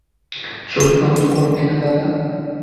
চোখ বন্ধ করবে না, বাবা!